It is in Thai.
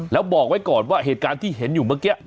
แล้วบอกไว้ก่อนว่าเหตุการณ์ที่เห็นอยู่เมื่อกี้